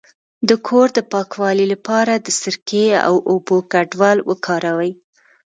د کور د پاکوالي لپاره د سرکې او اوبو ګډول وکاروئ